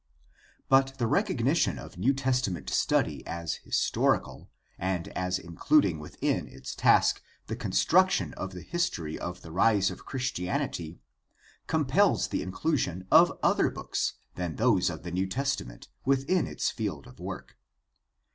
— But the recognition of New Testament study as historical and as including within its task the construction of the history of the rise of Christianity compels the inclusion of other books than those of the New Testament within its field of work.